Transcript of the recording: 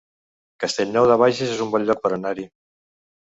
Castellnou de Bages es un bon lloc per anar-hi